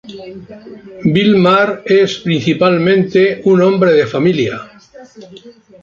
Wilmar es, principalmente, un hombre de familia.